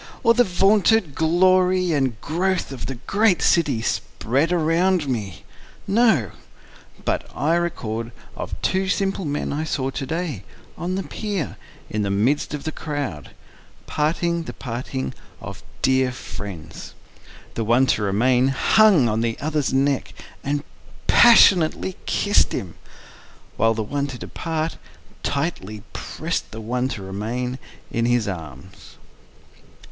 Or the vaunted glory and growth of the great city spread around me?—No; But I record of two simple men I saw to day, on the pier, in the midst of the crowd, parting the parting of dear friends; The one to remain hung on the other's neck, and passionately kiss'd him, While the one to depart, tightly prest the one to remain in his arms.